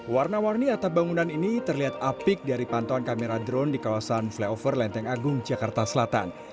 warna warni atap bangunan ini terlihat apik dari pantauan kamera drone di kawasan flyover lenteng agung jakarta selatan